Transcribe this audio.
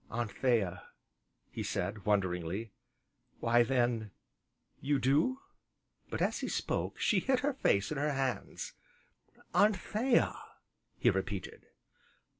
"Anthea!" he said, wonderingly, "why then you do ?" But, as he spoke, she hid her face in her hands. "Anthea!" he repeated.